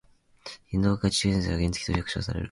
原動機付き自転車は原付と省略されます。